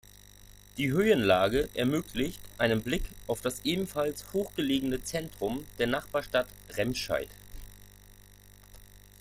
Die Höhenlage ermöglicht einen Blick auf das ebenfalls hochgelegene Zentrum der Nachbarstadt Remscheid.